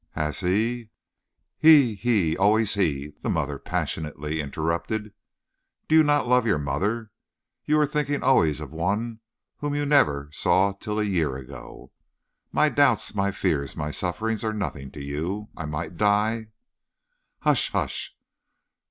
Has he " "He, he always he!" the mother passionately interrupted. "You do not love your mother. You are thinking always of one whom you never saw till a year ago. My doubts, my fears, my sufferings are nothing to you. I might die " "Hush! hush!